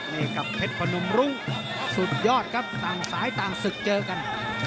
นี่กับเพชรพนมรุ้งสุดยอดครับต่างสายต่างศึกเจอกัน